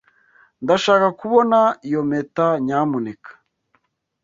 Ndashaka kubona iyo mpeta, nyamuneka.